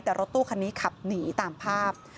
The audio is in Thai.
แต่รถตู้คันนี้ขับหนีตามภาพ